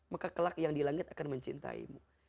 maka kelak yang di langit akan mencintai mu